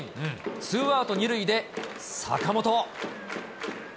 ツーアウト２塁で坂本。